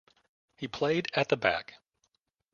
He played at the back.